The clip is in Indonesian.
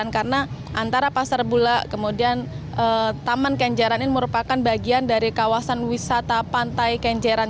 karena antara pasar bulak kemudian taman kenjaran ini merupakan bagian dari kawasan wisata pantai kenjaran